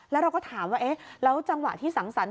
แล้วเราก็ถามว่าเอ๊ะแล้วจังหวะที่สังสรรค